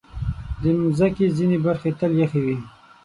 د مځکې ځینې برخې تل یخې وي.